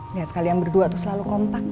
lihat kalian berdua tuh selalu kompak